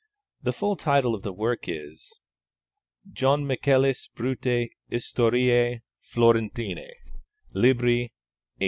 The full title of the work is: _Joh. Michaelis Bruti Historiae Florentinae, Libri VIII.